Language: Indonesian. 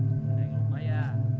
ada yang lupa ya